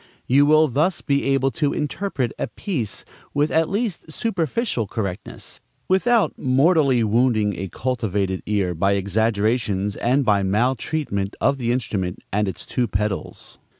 You will thus be able to interpret a piece with at least superficial correctness, without mortally wounding a cultivated ear by exaggerations and by maltreatment of the instrument and its two pedals.